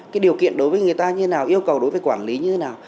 cái điều kiện đối với người ta như thế nào yêu cầu đối với quản lý như thế nào